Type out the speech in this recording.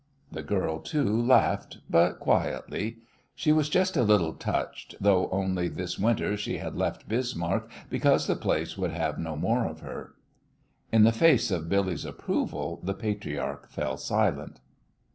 The girl, too, laughed, but quietly. She was just a little touched, though only this winter she had left Bismarck because the place would have no more of her. In the face of Billy's approval, the patriarch fell silent.